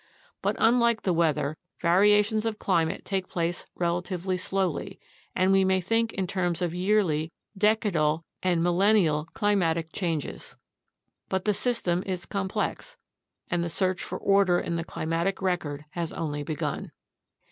But unlike the weather, variations of climate take place relatively slowly, and we may think in terms of yearly, decadal, and millenial climatic changes. But the system is complex, and the search for order in the climatic record has only begun.